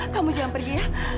kamu jangan pergi ya